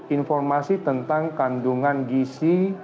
informasi tentang kandungan gisi